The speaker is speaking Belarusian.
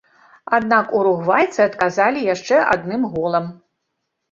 Аднак уругвайцы адказалі яшчэ адным голам.